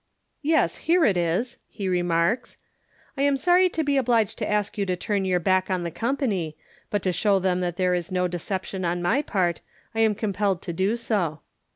" Yes, here it is,*' he remarks. u I am sorry to be obliged to ask you to turn your back on the company, but to show them that there is no deception on my part, I am compelled to do so.